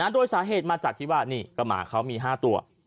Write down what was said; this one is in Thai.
โดยสาเหตุมาจากที่ว่านี่ก็หมาเขามี๕ตัว